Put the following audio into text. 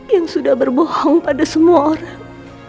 yang sudah berbohong pada semua orang